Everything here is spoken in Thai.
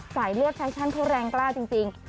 สายเลือดแฟชั่นเขาแรงกล้าจริง